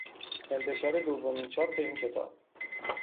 انتشار دومین چاپ این کتاب